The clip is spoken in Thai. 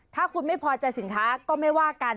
ถ้าคุณไม่พอใจสินค้าก็ไม่ว่ากัน